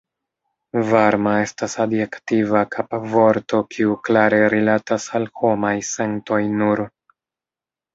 Varma estas adjektiva kapvorto kiu klare rilatas al homaj sentoj nur.